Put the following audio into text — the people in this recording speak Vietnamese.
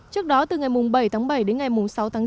trước đó từ ngày bảy tháng bảy đến ngày tám tháng bảy